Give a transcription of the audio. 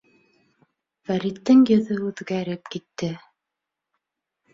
Фәриттең йөҙө үҙгәреп китте.